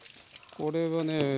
これはね